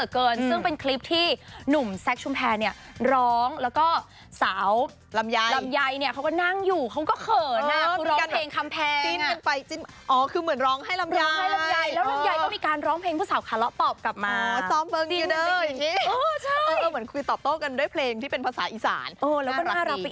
ขอทำงานก่อนให้เจ็มที่ก่อนครับ